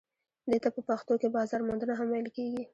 دې ته په پښتو کې بازار موندنه هم ویل کیږي.